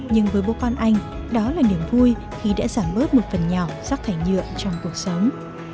nhưng với bố con anh đó là niềm vui khi đã giảm bớt một phần nhỏ rác thải nhựa trong cuộc sống